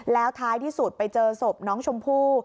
แล้วท้ายที่สุดไปเจอศพน้องชมพู่